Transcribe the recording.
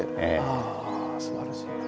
ああすばらしいな。